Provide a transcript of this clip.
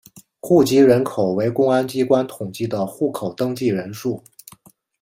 户籍人口为公安机关统计的户口登记人数。